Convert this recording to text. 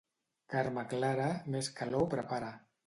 Carme clara, més calor prepara.